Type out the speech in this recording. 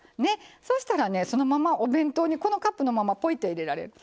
そうしたらねそのままお弁当にこのカップのままぽいって入れられる。